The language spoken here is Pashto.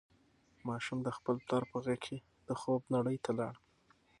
ماشوم د خپل پلار په غېږ کې د خوب نړۍ ته لاړ.